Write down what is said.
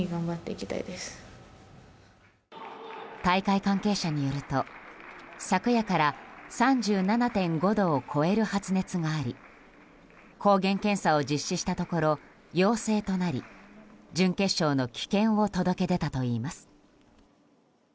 大会関係者によると、昨夜から３７．５度を超える発熱があり抗原検査を実施したところ陽性となり準決勝の棄権を届け出たといいます。